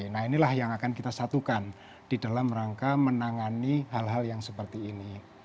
nah inilah yang akan kita satukan di dalam rangka menangani hal hal yang seperti ini